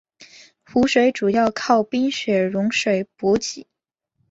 湖水主要靠冰雪融水补给。